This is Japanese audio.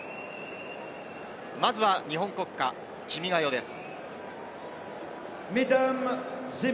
まずは日本国歌『君が代』です。